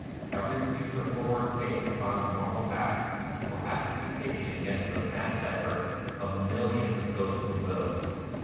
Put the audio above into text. Every future forward pace upon the moral path will have to be taken against the massed effort of millions of ghostly wills.